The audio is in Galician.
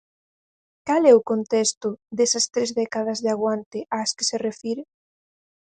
Cal é o contexto desas tres décadas de aguante ás que se refire?